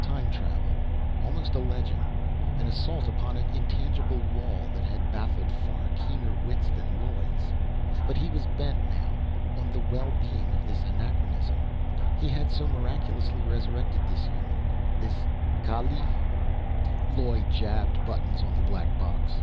Time travel. Almost a legend. An assault upon an intangible wall that had baffled far keener wits than Loy's. But he was bent, now, on the well being of this anachronism he had so miraculously resurrected this human, this Kaalleee.... Loy jabbed buttons on the black box.